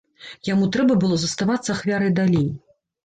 Яму трэба было заставацца ахвярай далей.